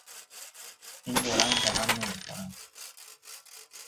این دو رنگ به هم نمیخورند.